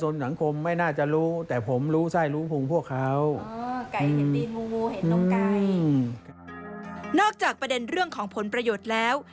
นอกจากประเด็นเรื่องของผลประโยชน์แล้ว